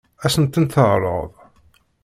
Ad sen-tent-teɛṛeḍ?